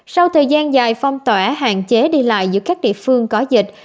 sau thời gian dài phong tỏa hạn chế đi lại giữa các địa phương có dịch